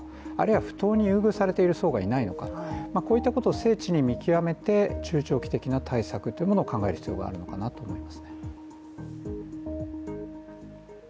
不当に優遇されている層がいないのかこういったことを精緻に見極めて中長期的な対策を考える必要があるのかなと思いますね。